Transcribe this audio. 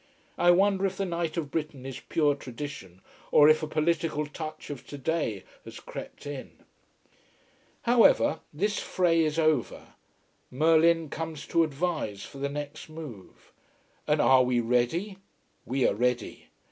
I wonder if the Knight of Britain is pure tradition, or if a political touch of today has crept in. However, this fray is over Merlin comes to advise for the next move. And are we ready? We are ready.